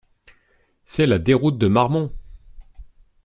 C'est la déroute de Marmont!